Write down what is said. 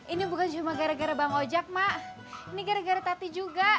ini bukan cuma gara gara bang ojek mak ini gara gara tati juga